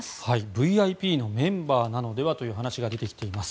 ＶＩＰのメンバーなのではという話が出てきています。